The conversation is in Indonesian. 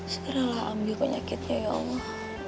segeralah ambil penyakitnya ya allah